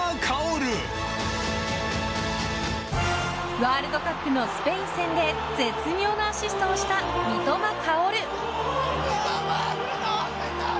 ワールドカップのスペイン戦で絶妙のアシストをした三笘薫。